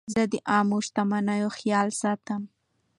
زه د عامه شتمنیو خیال ساتم.